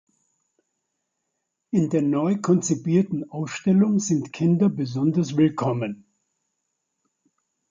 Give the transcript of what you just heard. In der neu konzipierten Ausstellung sind Kinder besonders willkommen.